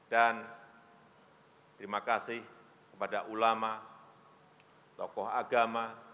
dan terima kasih kepada ulama tokoh agama